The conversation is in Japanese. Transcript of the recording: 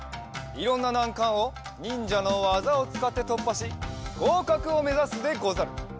いろんななんかんをにんじゃのわざをつかってとっぱしごうかくをめざすでござる！